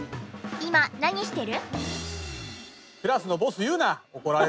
今何してる？